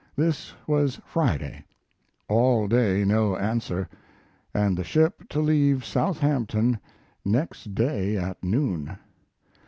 This was Friday. All day no answer and the ship to leave Southampton next day at noon.